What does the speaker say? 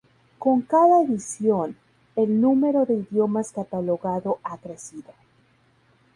Con cada edición, el número de idiomas catalogado ha crecido.